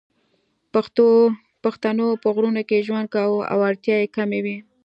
پښتنو په غرونو کې ژوند کاوه او اړتیاوې یې کمې وې